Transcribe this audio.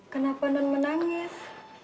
kenapa non menangis